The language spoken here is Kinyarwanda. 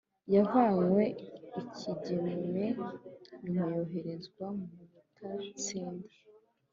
Yavanwe I Kigeme nyuma yoherezwa mu butatsinda